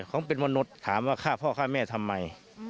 เขาเป็นมนุษย์ถามว่าฆ่าพ่อฆ่าแม่ทำไม